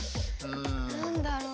何だろう。